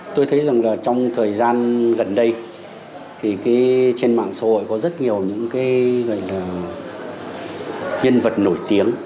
tôi thấy rằng trong thời gian gần đây trên mạng xã hội có rất nhiều những nhân vật nổi tiếng